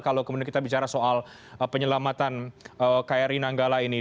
kalau kemudian kita bicara soal penyelamatan kri nanggala ini